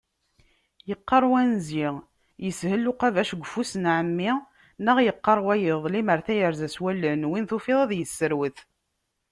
Yeqqar unzi: Yeshel uqabac deg ufus n Ɛemmi neɣ yeqqar wayeḍ: Limmer tayerza s wallen, win tufiḍ ad yesserwet.